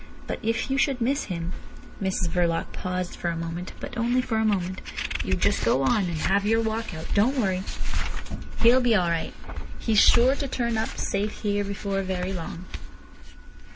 But if you should miss him—" Mrs Verloc paused for a moment, but only for a moment. "You just go on, and have your walk out. Don't worry. He'll be all right. He's sure to turn up safe here before very long."